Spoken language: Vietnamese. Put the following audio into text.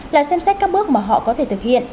là xem xét các bước mà họ có thể thực hiện